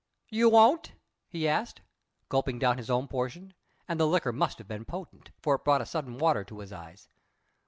"You won't?" he asked, gulping down his own portion; and the liquor must have been potent, for it brought a sudden water to his eyes.